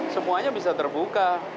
semuanya bisa terbuka